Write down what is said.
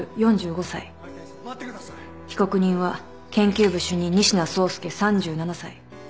被告人は研究部主任仁科壮介３７歳。